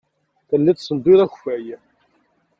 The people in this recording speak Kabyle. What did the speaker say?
Telliḍ tessenduyeḍ akeffay.